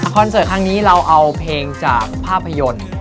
เสิร์ตครั้งนี้เราเอาเพลงจากภาพยนตร์